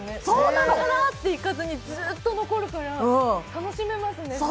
さらっていかずに、ずっと残るから楽しめますね。